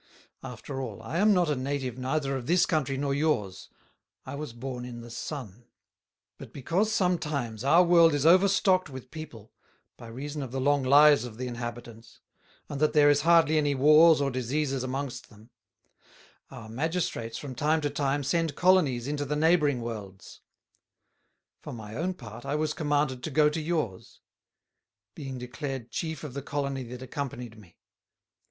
"After all, I am not a Native neither of this Country nor yours, I was born in the Sun; but because sometimes our World is overstock'd with people, by reason of the long Lives of the Inhabitants, and that there is hardly any Wars or Diseases amongst them: Our Magistrates, from time to time, send Colonies into the neighbouring Worlds. For my own part, I was commanded to go to yours; being declared Chief of the Colony that accompanyed me.